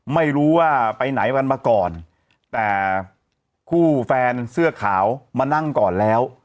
ไม่รู้ว่าไปไหนกันมาก่อนแต่คู่แฟนเสื้อขาวมานั่งก่อนแล้ว